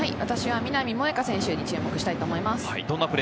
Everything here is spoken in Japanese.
南萌華選手に注目したいと思います。